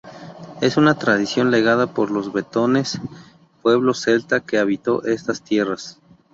Es una tradición legada por los vetones, pueblo celta que habitó estas tierras.